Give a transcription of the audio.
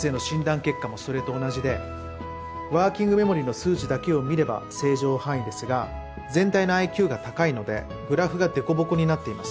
結果もそれと同じでワーキングメモリーの数値だけを見れば正常範囲ですが全体のＩＱが高いのでグラフが凸凹になっています。